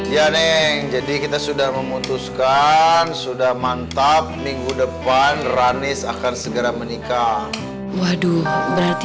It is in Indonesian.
ya neng jadi kita sudah memutuskan sudah mantap minggu depan ranis akan segera menikah waduh berarti